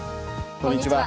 こんにちは。